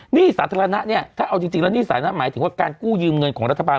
หนี้สาธารณะเนี่ยถ้าเอาจริงแล้วหนี้สาธารณะหมายถึงว่าการกู้ยืมเงินของรัฐบาล